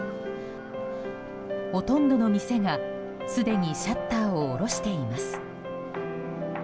ほとんどの店が、すでにシャッターを下ろしています。